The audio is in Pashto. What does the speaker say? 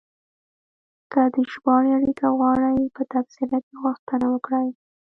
که د ژباړې اړیکه غواړئ، په تبصره کې غوښتنه وکړئ.